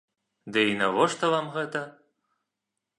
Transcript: Ды і навошта вам гэта?